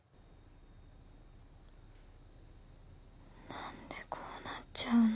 何でこうなっちゃうの